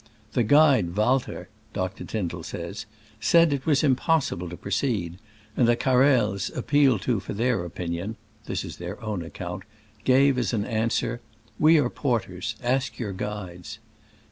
The guide Walter (Dr. Tyn dall says) said it was impossible to pro ceed, and the Carrels, appealed to for their opinion (this is their own account), gave as an answer, " We are porters — ask your guides."